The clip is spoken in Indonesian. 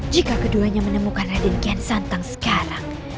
jika keduanya menemukan raden akihan santan sekarang